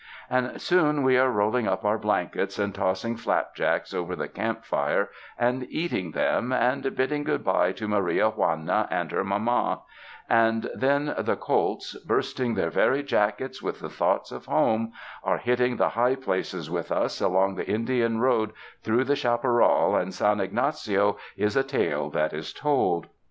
And soon we are rolling up our blankets and tossing flapjacks over the campfire and eating them, and bidding good bye to Maria Juana and her mama; and then the colts, bursting their very jackets with the thoughts of home, are hitting the high places with us along the Indian road through the chapar ral, and San Ygnacio is a tale that is told.